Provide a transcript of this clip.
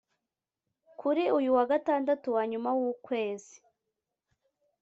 Kuri uyu wa gatandatu wa nyuma w’ukwezi